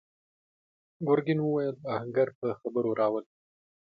ګرګين وويل: آهنګر په خبرو راولئ!